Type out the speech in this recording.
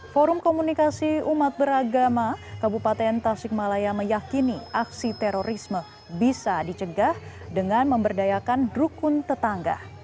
forum komunikasi umat beragama kabupaten tasikmalaya meyakini aksi terorisme bisa dicegah dengan memberdayakan rukun tetangga